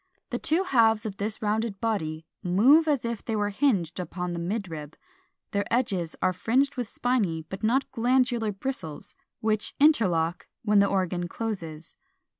The two halves of this rounded body move as if they were hinged upon the midrib; their edges are fringed with spiny but not glandular bristles, which interlock when the organ closes.